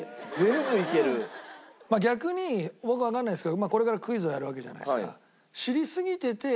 まあ逆に僕わかんないですけどこれからクイズをやるわけじゃないですか。